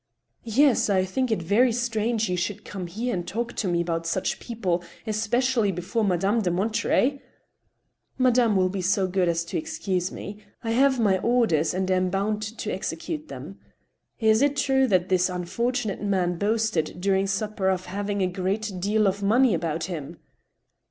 " Yes, I think it very strange you should come here and talk to me about such people, especially before Madame de Monterey." *' Madame will be so good as to excuse me. I have my orders, and am bound to execute them. Is it true that this unfortunate man boasted during supper of having a great deal of money about him?"